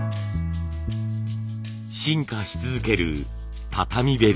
進化し続ける畳べり。